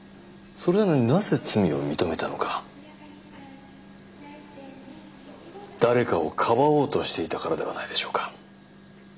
それなのになぜ罪を認めたのか誰かをかばおうとしていたからではないでしょうか